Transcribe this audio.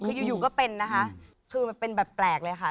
คืออยู่ก็เป็นนะคะคือมันเป็นแบบแปลกเลยค่ะ